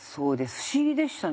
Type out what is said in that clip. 不思議でしたね。